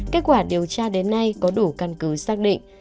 kết quả điều tra đến nay có đủ căn cứ xác định